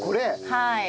はい。